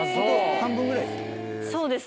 半分ぐらいです。